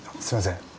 すいません。